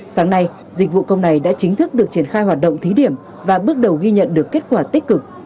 sáng nay dịch vụ công này đã chính thức được triển khai hoạt động thí điểm và bước đầu ghi nhận được kết quả tích cực